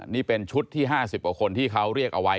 นี่เป็นชุดที่ห้าสิบออกคนที่เขาเรียกเอาไว้